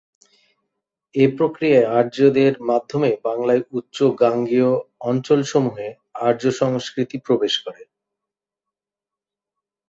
এ প্রক্রিয়ায় আর্যদের মাধ্যমে বাংলার উচ্চ গাঙ্গেয় অঞ্চলসমূহে আর্য সংস্কৃত প্রবেশ করে।